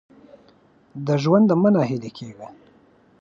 د ژونده مه نا هیله کېږه !